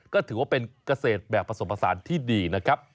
ก็ถือว่าเป็นเกษตรแบบผสมผสานที่ดีนะครับ